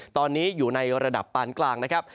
ตอนนี้อยู่ในระดับปานกลางนะครับ